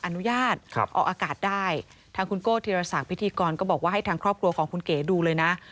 อนุญาตออกอากาศได้ทางคุณโก้ธีรศักดิ์พิธีกรก็บอกว่าให้ทางครอบครัวของคุณเก๋ดูเลยนะ